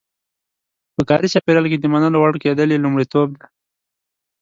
په کاري چاپېریال کې د منلو وړ کېدل یې لومړیتوب دی.